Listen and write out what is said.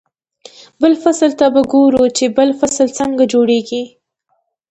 بل فصل ته به ګوري چې بل فصل څنګه جوړېږي.